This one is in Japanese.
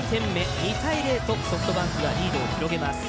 ２対０、ソフトバンクリードを広げています。